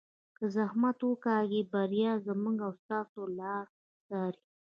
که زحمت وکاږو بریا زموږ او ستاسو لار څاري.